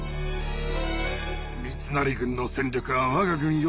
三成軍の戦力は我が軍より上。